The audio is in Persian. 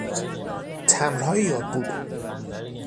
تمبرهای یاد بود